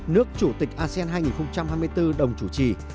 nước chủ tịch asean hai nghìn hai mươi bốn đồng chủ trì